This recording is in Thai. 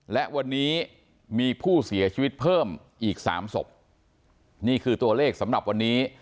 และวันนี้มีผู้เสียชีวิตเพิ่มอีกสามศพนี่คือตัวเลขสำหรับวันนี้